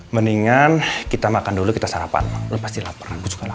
mendingan kita makan dulu kita sarapan lo pasti lapar gue suka lapar